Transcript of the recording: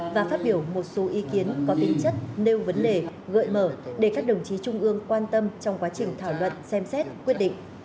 và phát biểu một số ý kiến có tính chất nêu vấn đề gợi mở để các đồng chí trung ương quan tâm trong quá trình thảo luận xem xét quyết định